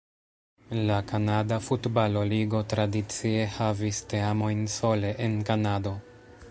La Kanada Futbalo-Ligo tradicie havis teamojn sole en Kanado.